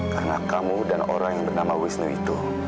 karena kamu dan orang yang bernama wisnu itu